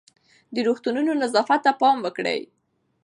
د روغتونونو نظافت ته پام وکړئ.